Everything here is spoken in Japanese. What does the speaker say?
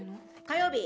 「火曜日」